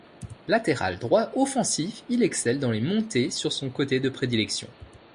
Latéral droit offensif, il excelle dans les montées sur son côté de prédilection.